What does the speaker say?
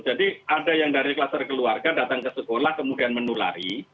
jadi ada yang dari klaster keluarga datang ke sekolah kemudian menulari